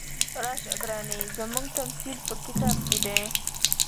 راشه ګرانې زموږ تمثیل په کتاب کې دی.